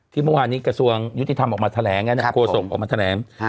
เมื่อวานนี้กระทรวงยุติธรรมออกมาแถลงโฆษกออกมาแถลง